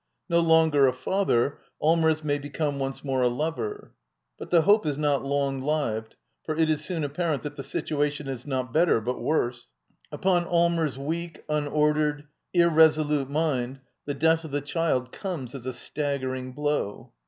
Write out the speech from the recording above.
No longer a I father, Allmers may become once more a lover. 'But the hope is not long lived, for it is soon appar ent that the situation is not better, but worse. Upon Allmers' weak, unordered, irresolute mind the death of the child comes as a staggering blow.